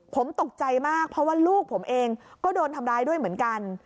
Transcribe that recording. ผมตกใจมากเพราะว่าลูกผมเองก็โดนทำร้ายด้วยเหมือนกัน